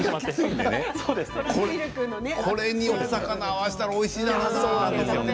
でも、これにお魚を合わせたらおいしいだろうなって。